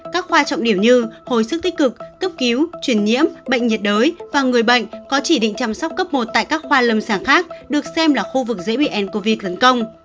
các khoa trọng điểm như hồi sức tích cực cấp cứu truyền nhiễm bệnh nhiệt đới và người bệnh có chỉ định chăm sóc cấp một tại các khoa lâm sàng khác được xem là khu vực dễ bị ncov tấn công